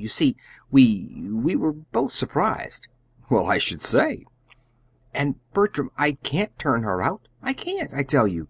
You see, we we were both surprised." "Well, I should say!" "And, Bertram, I can't turn her out I can't, I tell you.